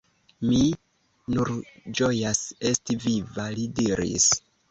Mi nur ĝojas esti viva, – li diris.